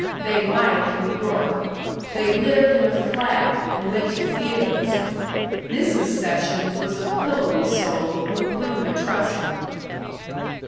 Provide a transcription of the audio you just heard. They liked New York. They lived in a flat and went to theaters. Mrs. Sessions was a pillowy soul whom Una trusted.